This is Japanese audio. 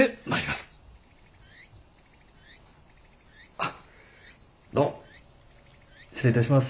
あっどうも失礼いたします。